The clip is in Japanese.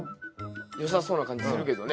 よさそうな感じするけどね。